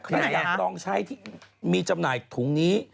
ใครอยากลองใช้ที่มีจำหน่ายถุงนี้